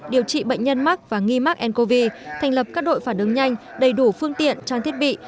điều trị bệnh nhân mắc và nghi mắc ncov thành lập các đội phản ứng nhanh đầy đủ phương tiện trang thiết bị